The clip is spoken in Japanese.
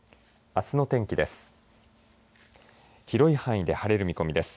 あすの天気です。